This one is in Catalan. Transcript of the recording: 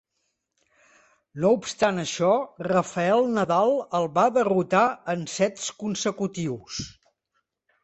No obstant això, Rafael Nadal el va derrotar en sets consecutius.